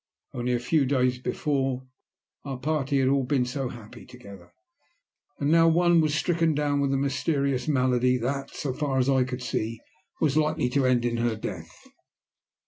Only a few days before our party had all been so happy together, and now one was stricken down with a mysterious malady that, so far as I could see, was likely to end in her death.